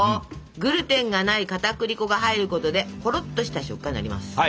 グルテンがないかたくり粉が入ることでほろっとした食感になります！